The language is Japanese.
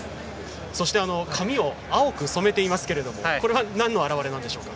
そして、髪を青く染めていますけどこれはなんの表れなんでしょうか？